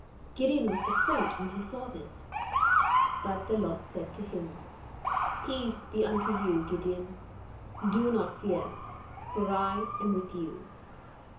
Gideon was afraid when he saw this; but the Lord said to him: "Peace be unto you, Gideon, do not fear, for I am with you."